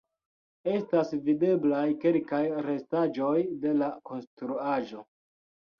Estas videblaj kelkaj restaĵoj de la konstruaĵo.